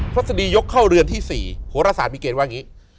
ทฤษฎียกเข้าเรือนที่๔โหรศาสตร์มีเกณฑ์ว่าอย่างนี้